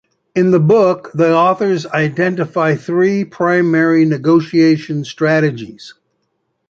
In the book, the authors identify three primary negotiation strategies.